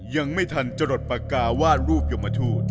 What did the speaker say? ยังไม่ทันจะหลดปากกาวาดรูปยมทูต